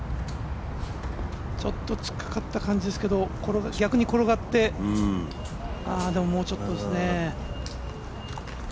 ちょっと突っかかった感じですけどこれが逆に転がってああ、もうちょっとですね。